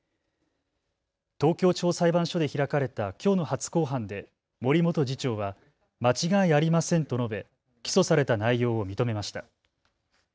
東京地方裁判所で開かれたきょうの初公判で森元次長は間違いありませんと述べ起訴された内容を認めました。